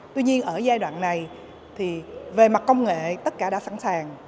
tuy nhiên ở giai đoạn này thì về mặt công nghệ tất cả đã sẵn sàng